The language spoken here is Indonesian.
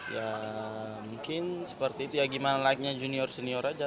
ya mungkin seperti itu ya gimana like nya junior senior aja